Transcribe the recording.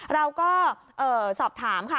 เราก็สอบถามค่ะ